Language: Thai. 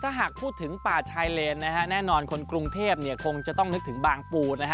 ถ้าหากพูดถึงป่าชายเลนนะฮะแน่นอนคนกรุงเทพเนี่ยคงจะต้องนึกถึงบางปูนะฮะ